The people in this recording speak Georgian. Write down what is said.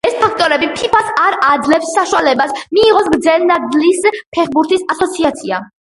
ეს ფაქტორები ფიფას არ აძლევს საშუალებას მიიღოს გრენლანდიის ფეხბურთის ასოციაცია.